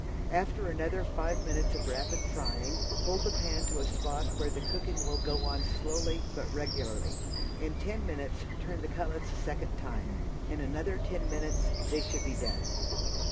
After another five minutes of rapid frying, pull the pan to a spot where the cooking will go on slowly, but regularly. In ten minutes turn the cutlets a second time. In another ten minutes they should be done.